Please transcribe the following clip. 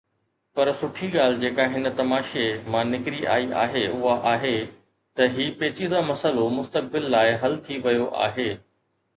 پر سٺي ڳالهه جيڪا هن تماشي مان نڪري آئي آهي اها آهي ته هي پيچيده مسئلو مستقبل لاءِ حل ٿي ويو آهي.